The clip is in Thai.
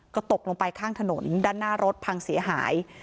ก็ตกลงไปข้างถนนด้านหน้ารถพังเสียหาย